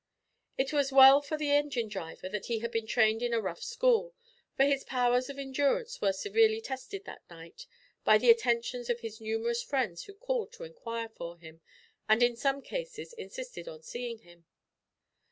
It was well for the engine driver that he had been trained in a rough school, for his powers of endurance were severely tested that night, by the attentions of his numerous friends who called to inquire for him, and in some cases insisted on seeing him.